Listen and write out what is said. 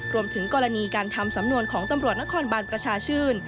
รวมถึงกรณีการทำสำนวนของตำรวจนครบานประชาชื่น